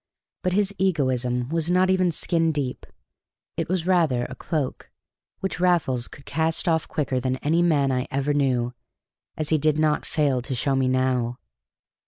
But his egoism was not even skin deep; it was rather a cloak, which Raffles could cast off quicker than any man I ever knew, as he did not fail to show me now.